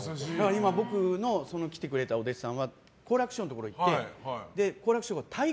今、僕の来てくれたお弟子さんが好楽師匠のところ行って好楽師匠がたい